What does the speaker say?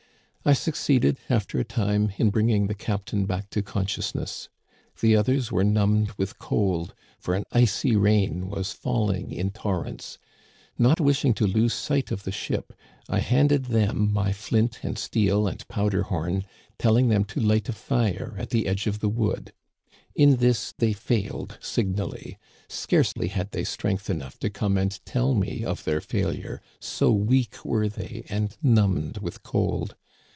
I succeeded, after a time, in bringing the captain back to consciousness. The others were numbed with cold, for an icy rain was falling in torrents. Not wishing to lose sight of the ship, I handed them my flint and steel and powder horn, telling them to light a fire at the edge of the wood. In this they failed signally ; scarcely had they strength enough to come and tell me of their fail ure, so weak were they and numbed with cold.